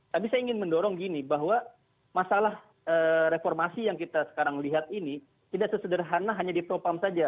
tapi saya ingin mendorong gini bahwa masalah reformasi yang kita sekarang lihat ini tidak sesederhana hanya di propam saja